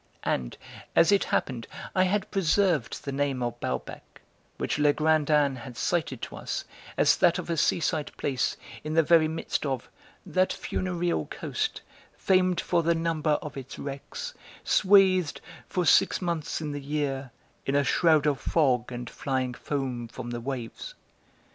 And, as it happened, I had preserved the name of Balbec, which Legrandin had cited to us, as that of a sea side place in the very midst of "that funereal coast, famed for the number of its wrecks, swathed, for six months in the year, in a shroud of fog and flying foam from the waves.